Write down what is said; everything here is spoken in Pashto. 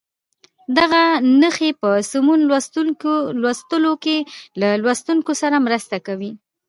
دغه نښې په سمو لوستلو کې له لوستونکي سره مرسته کوي.